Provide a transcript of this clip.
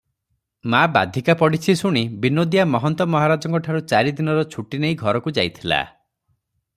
ମା ବାଧିକା ପଡିଛି ଶୁଣି ବିନୋଦିଆ ମହନ୍ତ ମହାରାଜଙ୍କଠାରୁ ଚାରିଦିନର ଛୁଟି ନେଇ ଘରକୁ ଯାଇଥିଲା ।